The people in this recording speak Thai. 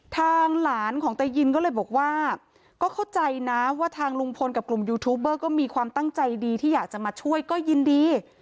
ทางหลานของตายินก็เลยบอกว่าก็เข้าใจนะว่าทางลุงพลกับกลุ่มยูทูบเบอร์ก็มีความตั้งใจดีที่อยากจะมาช่วยก็ยินดี